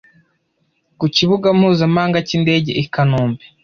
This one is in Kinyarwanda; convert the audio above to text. ku kibuga mpuzamahanga cy’indege i Kanombe